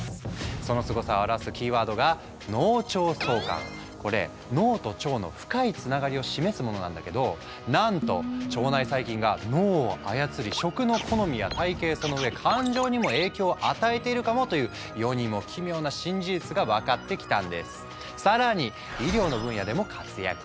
そのすごさを表すキーワードがこれ脳と腸の深いつながりを示すものなんだけどなんと腸内細菌が脳を操り食の好みや体型その上感情にも影響を与えているかもという世にも奇妙な新事実が分かってきたんです。